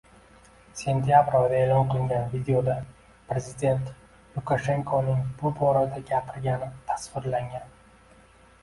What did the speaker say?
Sentyabr oyida e`lon qilingan videoda prezident Lukashenkoning bu borada gapirgani tasvirlangan